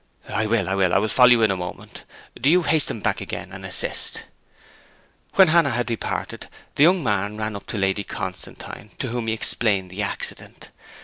'I will, I will. I'll follow you in a moment. Do you hasten back again and assist.' When Hannah had departed the young man ran up to Lady Constantine, to whom he explained the accident.